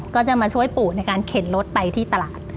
ก็จะมาช่วยปู่ในการเข็นรถไปที่ตลาด